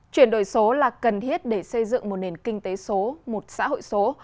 chuyển đổi số là cần thiết để xây dựng một nền kinh tế số một xã hội số